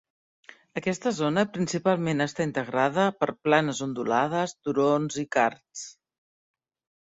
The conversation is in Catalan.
Aquesta zona principalment està integrada per planes ondulades, turons i karst.